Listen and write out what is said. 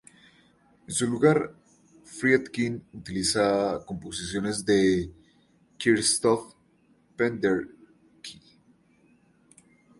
En su lugar, Friedkin utiliza composiciones de Krzysztof Penderecki.